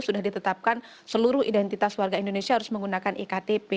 sudah ditetapkan seluruh identitas warga indonesia harus menggunakan iktp